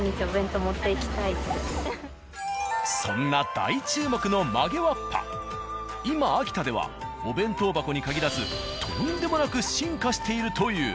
そんな今秋田ではお弁当箱に限らずとんでもなく進化しているという。